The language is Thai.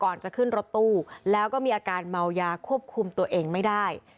จะขึ้นรถตู้แล้วก็มีอาการเมายาควบคุมตัวเองไม่ได้